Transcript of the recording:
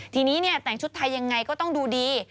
ทีนี้แต่งชุดไทยยังไงก็ต้องดูดี